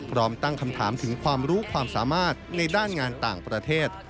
พร้อมตั้งคำถามถึงความรู้ความสามารถในด้านงานต่างประเทศ